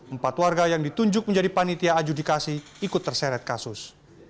empat warga yang ditunjuk menjadi panitia adjudikasi ikut terseret kasus